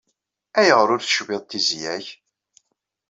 Ayɣer ur tecbiḍ tizya-k?